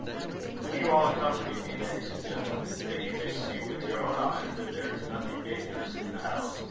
"Will you all accompany me, ladies and gentlemen, that you may see with your own eyes that there is nothing dangerous in the house?"